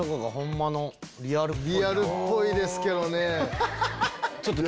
リアルっぽいですけどね。